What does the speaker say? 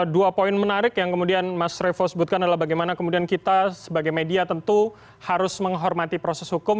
dua poin menarik yang kemudian mas revo sebutkan adalah bagaimana kemudian kita sebagai media tentu harus menghormati proses hukum